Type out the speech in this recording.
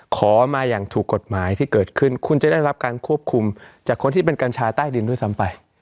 ขอมาอย่างถูกกฎหมายที่เกิดขึ้นคุณจะได้รับการควบคุมจากคนที่เป็นกัญชาใต้ดินด้วยซ้ำไป